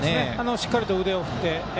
しっかり腕を振って。